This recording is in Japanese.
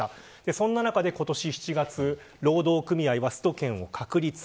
そんな中で今年７月労働組合はスト権を確立。